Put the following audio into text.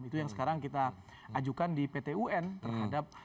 itu yang sekarang kita ajukan di pt un terhadap